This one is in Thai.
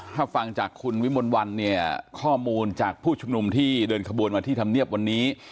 ถ้าฟังจากคุณวิมลวันเนี่ยข้อมูลจากผู้ชุมนุมที่เดินขบวนมาที่ธรรมเนียบวันนี้